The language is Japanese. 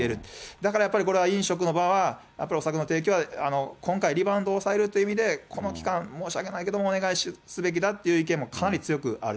だからやっぱり、これは飲食の場は、やっぱりお酒の提供は、今回、リバウンドを抑えるという意味で、この期間、申し訳ないけれども、お願いすべきだっていう意見もかなり強くある。